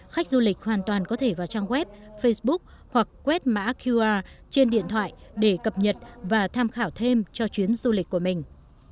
khách du lịch hoàn toàn có thể vào trang web facebook hoặc quét mã qr trên điện thoại để cập nhật và tham khảo thêm cho chuyến du lịch của mình